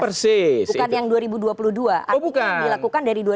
artinya yang dilakukan dari dua ribu empat belas